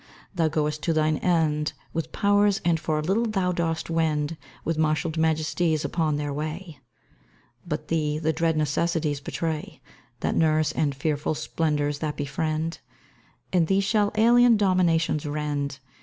Thou goest to thine end With Po w'rs, and for a little thou dost wend With marshalled Majesties upon their way: But thee the dread Necessities betray That nurse, and fearful Splendours that befriend; And thee shall alien Dominations rend